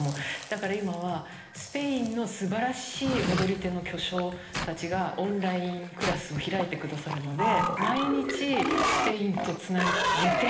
だから今はスペインの素晴らしい踊り手の巨匠たちがオンラインクラスを開いてくださるので。